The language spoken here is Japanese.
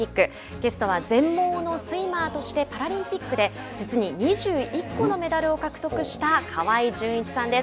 ゲストは全盲のスイマーとしてパラリンピックで実に２１個のメダルを獲得した河合純一さんです。